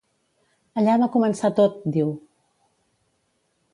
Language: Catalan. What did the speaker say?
Allà va començar tot, diu.